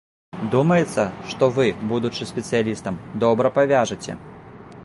Думаецца, што вы, будучы спецыялістам, добра павяжаце.